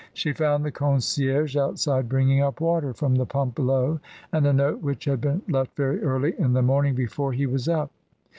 She found the concierge outside bringing up water from the pump below, and a note which had been left very early in the morning before he was up.